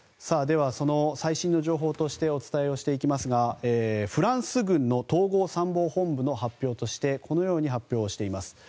その最新の情報としてお伝えをしていきますがフランス軍の統合参謀本部の発表としてこのように発表しています。